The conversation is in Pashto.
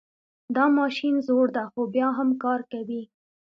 دا ماشین زوړ ده خو بیا هم کار کوي